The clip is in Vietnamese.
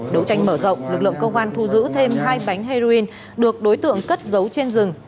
đấu tranh mở rộng lực lượng công an thu giữ thêm hai bánh heroin được đối tượng cất dấu trên rừng